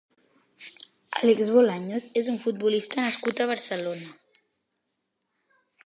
Álex Bolaños és un futbolista nascut a Barcelona.